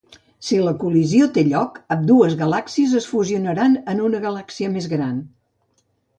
Si la col·lisió té lloc, ambdues galàxies es fusionaran en una galàxia més gran.